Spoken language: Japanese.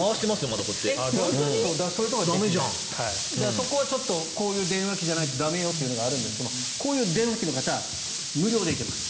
そこはこういう電話機じゃないと駄目よというのがあるんですがこういう電話機の方無料でいけます。